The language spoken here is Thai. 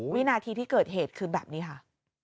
วินาทีที่เกิดเหตุคือแบบนี้ค่ะ